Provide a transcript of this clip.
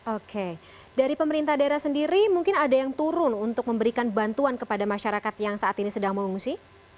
oke dari pemerintah daerah sendiri mungkin ada yang turun untuk memberikan bantuan kepada masyarakat yang saat ini sedang mengungsi